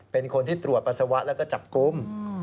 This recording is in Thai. เป็นคนที่ตรวจปัสสาวะแล้วก็จับกลุ่ม